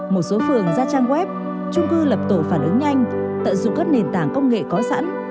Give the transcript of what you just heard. một số phường ra trang web trung cư lập tổ phản ứng nhanh tận dụng các nền tảng công nghệ có sẵn